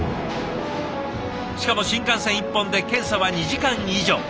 しかも新幹線１本で検査は２時間以上。